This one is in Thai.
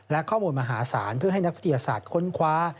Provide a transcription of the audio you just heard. และข้อมูลมหาศาลเพื่อให้นักวิทยาศาสตร์ค้นคว้า